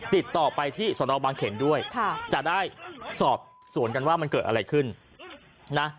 ติดต่อไปที่สนบางเขนด้วยจะได้สอบสวนกันว่ามันเกิดอะไรขึ้นนะ